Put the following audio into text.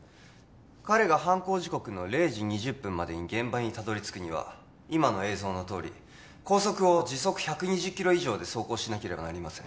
彼が犯行時刻の０時２０分までに現場にたどりつくには今の映像のとおり高速を時速１２０キロ以上で走行しなければなりません